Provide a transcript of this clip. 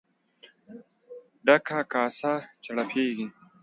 ډکه کاسه چړپېږي.